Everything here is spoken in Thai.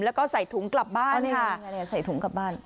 แล้วก็ใส่ถุงกลับบ้านใส่ถุงกลับบ้าน